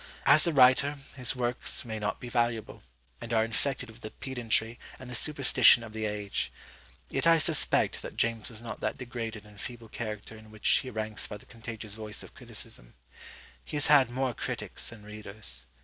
As a writer, his works may not be valuable, and are infected with the pedantry and the superstition of the age; yet I suspect that James was not that degraded and feeble character in which he ranks by the contagious voice of criticism. He has had more critics than readers.